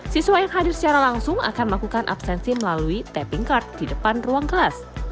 siswa yang hadir secara langsung akan melakukan absensi melalui tapping card di depan ruang kelas